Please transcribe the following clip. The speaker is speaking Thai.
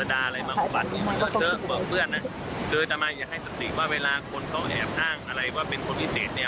มาให้รู้จักศึกษาหาก้อมูลบ้างคนพุทธอย่าให้เขาลองง่าย